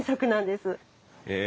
へえ。